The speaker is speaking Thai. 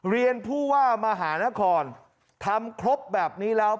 เรียนผู้ว่ามหานครทำครบแบบนี้แล้ว